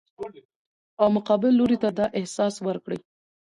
او مقابل لوري ته دا احساس ورکړي